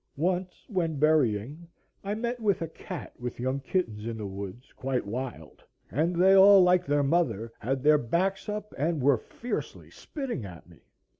Once, when berrying, I met with a cat with young kittens in the woods, quite wild, and they all, like their mother, had their backs up and were fiercely spitting at me.